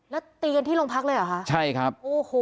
แล้วตีกันที่โรงพักษณ์เลยหรือคะโอ้โหใช่ครับ